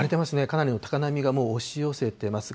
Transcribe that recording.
かなりの高波がもう押し寄せてます。